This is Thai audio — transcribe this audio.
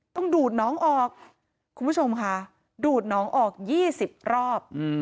ต้องดูดน้องออกคุณผู้ชมค่ะดูดน้องออก๒๐รอบ